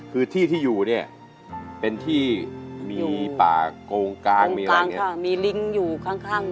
คือที่ที่อยู่เนี่ยเป็นที่มีป่าโกงกลางมีอะไรอย่างเนี่ยโกงกลางค่ะมีลิ้งอยู่ข้าง